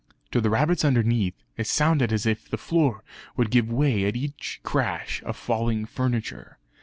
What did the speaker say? To the rabbits underneath it sounded as if the floor would give way at each crash of falling furniture.